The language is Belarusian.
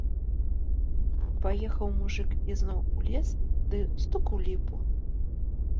Паехаў мужык ізноў у лес ды стук у ліпу.